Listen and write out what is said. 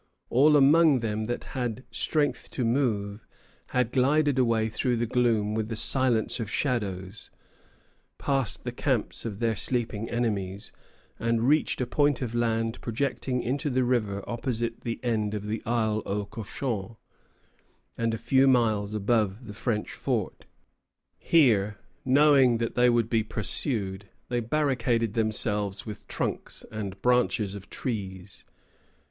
All among them that had strength to move had glided away through the gloom with the silence of shadows, passed the camps of their sleeping enemies, and reached a point of land projecting into the river opposite the end of Isle au Cochon, and a few miles above the French fort. Here, knowing that they would be pursued, they barricaded themselves with trunks and branches of trees.